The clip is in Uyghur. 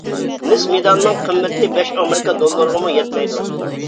مىس مېدالنىڭ قىممىتى بەش ئامېرىكا دوللىرىغىمۇ يەتمەيدۇ.